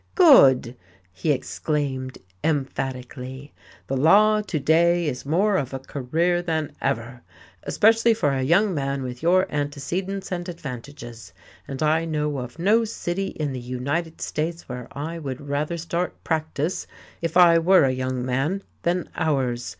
"Good!" he exclaimed emphatically. "The law, to day, is more of a career than ever, especially for a young man with your antecedents and advantages, and I know of no city in the United States where I would rather start practice, if I were a young man, than ours.